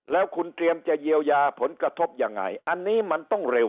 แล้วคุณเตรียมจะเยียวยาผลกระทบยังไงอันนี้มันต้องเร็ว